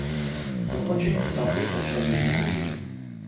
Dokončení stavby se však již nedožil.